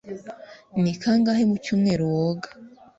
Ni kangahe mu cyumweru woga?